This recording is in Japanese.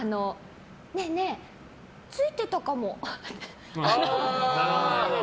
ねえねえ、ついてたかも。